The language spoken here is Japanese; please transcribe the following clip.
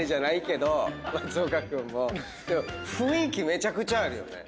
雰囲気めちゃくちゃあるよね。